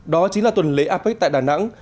đó chính là tuần lễ apec tại đà nẵng